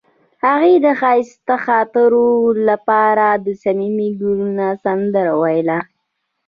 هغې د ښایسته خاطرو لپاره د صمیمي ګلونه سندره ویله.